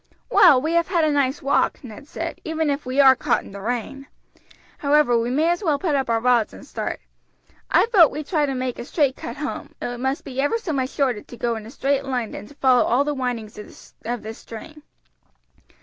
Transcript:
"Well, we have had a nice walk," Ned said, "even if we are caught in the rain. However, we may as well put up our rods and start. I vote we try to make a straight cut home; it must be ever so much shorter to go in a straight line than to follow all the windings of this stream."